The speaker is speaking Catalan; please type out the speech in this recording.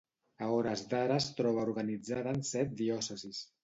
A hores d'ara es troba organitzada en set diòcesis.